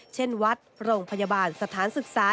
เช่นวัดโรงพยาบาลสถานศึกษา